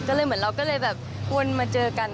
ก็เลยเหมือนเราก็เลยแบบวนมาเจอกัน